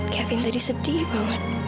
kevin tadi sedih banget